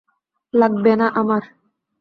লাগবে না আমার।